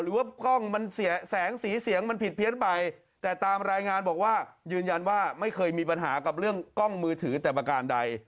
ว่ากล้องมันเสียแสงสีเสียงมันผิดเพี้ยนไปแต่ตามรายงานบอกว่ายืนยันว่าไม่เคยมีปัญหากับเรื่องกล้องมือถือแต่ประการใด